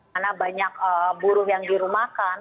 karena banyak buruh yang dirumahkan